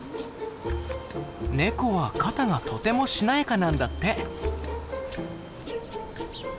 ネコは肩がとてもしなやかなんだって。